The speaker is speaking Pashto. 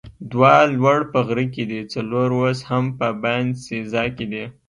دوه لوړ په غره کې دي، څلور اوس هم په باینسیزا کې دي.